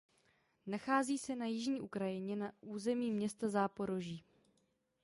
Nachází se na jižní Ukrajině na území města Záporoží.